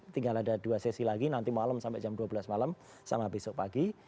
tinggal ada dua sesi lagi nanti malam sampai jam dua belas malam sama besok pagi